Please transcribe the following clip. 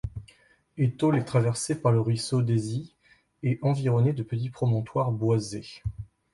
Étaule est traversé par le ruisseau d'Aisy et environné de petits promontoires boisés.